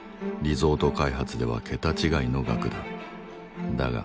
リゾート開発では桁違いの額だ。